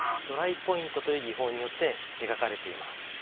ドライポイントという技法によって描かれています。